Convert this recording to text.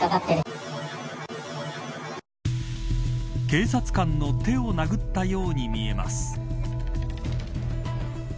警察官の手を殴ったように見えます。